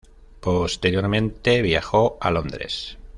Posteriormente viajó a Londres.